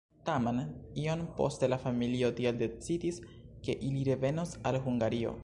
Tamen iom poste la familio tiel decidis, ke ili revenos al Hungario.